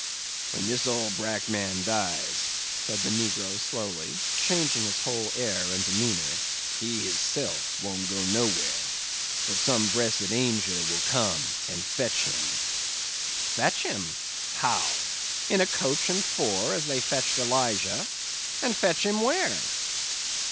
"When dis old brack man dies," said the negro slowly, changing his whole air and demeanor, "he hisself won't go nowhere; but some bressed angel will come and fetch him." "Fetch him? How? In a coach and four, as they fetched Elijah? And fetch him where?"